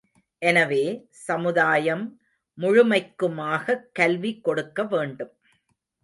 எனவே, சமுதாயம் முழுமைக்குமாகக் கல்வி கொடுக்கவேண்டும்.